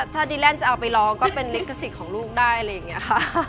ถ้าดีแลนด์จะเอาไปร้องก็เป็นลิขสิทธิ์ของลูกได้อะไรอย่างนี้ค่ะ